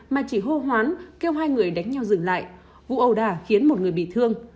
mà chỉ hô hoán kêu hai người đánh nhau dừng lại vụ ẩu đả khiến một người bị thương